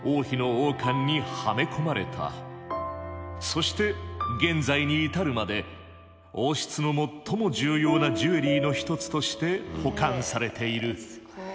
そして現在に至るまで王室の最も重要なジュエリーの一つとして保管されている。